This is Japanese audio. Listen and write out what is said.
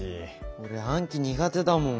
俺暗記苦手だもん。